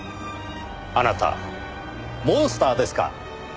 あなたモンスターですか？